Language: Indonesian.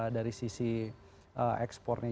dari sisi ekspornya